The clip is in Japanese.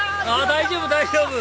大丈夫大丈夫！